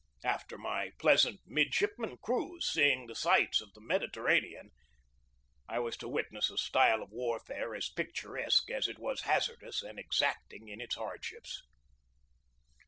After my pleasant midshipman cruise, seeing the sights of the Medi terranean, I was to witness a style of warfare as picturesque as it was hazardous and exacting in its hardships.